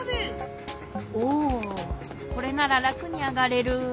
おおこれなららくにあがれる。